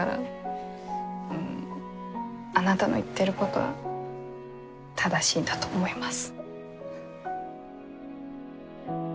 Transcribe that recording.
うんあなたの言ってることは正しいんだと思います。